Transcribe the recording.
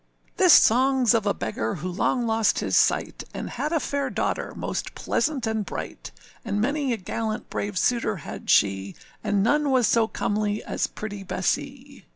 THIS songâs of a beggar who long lost his sight, And had a fair daughter, most pleasant and bright, And many a gallant brave suitor had she, And none was so comely as pretty Bessee.